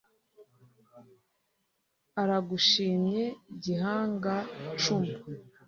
aragushimye gihanga-cumu